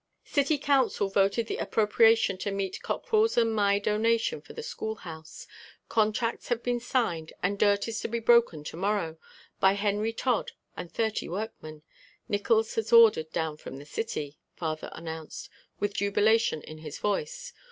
"City Council voted the appropriation to meet Cockrell's and my donation for the schoolhouse, contracts have been signed and dirt is to be broken to morrow by Henry Todd and thirty workmen Nickols has ordered down from the city," father announced, with jubilation in his voice.